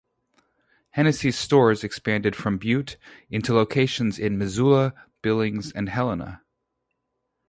Hennessy's stores expanded from Butte into locations in Missoula, Billings, and Helena.